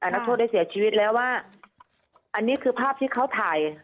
นักโทษได้เสียชีวิตแล้วว่าอันนี้คือภาพที่เขาถ่าย